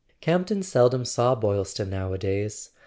Camp ton seldom saw Boylston nowadays.